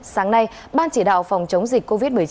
sáng nay ban chỉ đạo phòng chống dịch covid một mươi chín